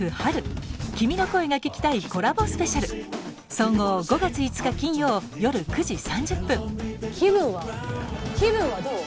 総合５月５日金曜夜９時３０分気分はどう？